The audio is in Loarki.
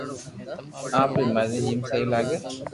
آپ ري مرزو جيم سھي لاگي